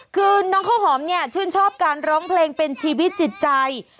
คือน้องข้าวหอมเนี่ยชื่นชอบการร้องเพลงเป็นชีวิตจิตใจ